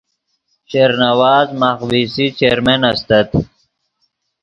شیر نواز ماخ وی سی چیرمین استت